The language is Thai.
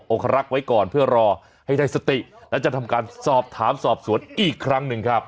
คารักษ์ไว้ก่อนเพื่อรอให้ได้สติและจะทำการสอบถามสอบสวนอีกครั้งหนึ่งครับ